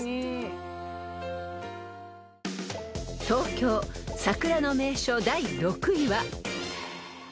［東京桜の名所第６位は］